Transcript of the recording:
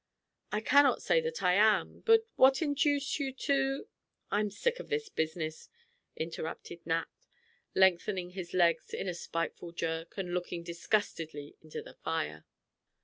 "I cannot say that I am; but what induced you to " "I'm sick of this business," interrupted Nat, lengthening his legs with a spiteful jerk, and looking disgustedly into the fire.